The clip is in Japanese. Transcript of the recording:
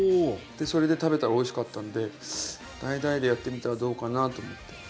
それで食べたらおいしかったんでダイダイでやってみたらどうかなと思って。